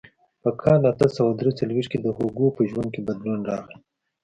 په کال اته سوه درې څلوېښت کې د هوګو په ژوند کې بدلون راغی.